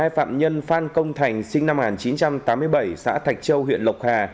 hai phạm nhân phan công thành sinh năm một nghìn chín trăm tám mươi bảy xã thạch châu huyện lộc hà